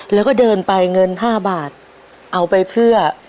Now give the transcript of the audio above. แล้วก็เดินไปเงิน๕บาทเอาไปเพื่อ